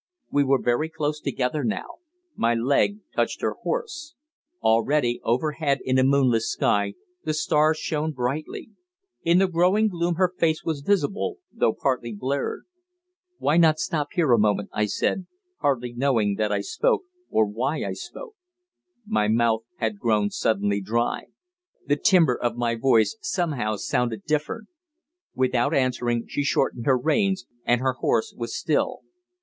We were very close together now my leg touched her horse. Already, overhead in a moonless sky, the stars shone brightly. In the growing gloom her face was visible, though partly blurred. "Why not stop here a moment?" I said, hardly knowing that I spoke, or why I spoke. My mouth had grown suddenly dry. The timbre of my voice somehow founded different. Without answering she shortened her reins, and her horse was still.